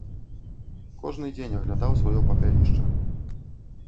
Кожны дзень аглядаў сваё папялішча.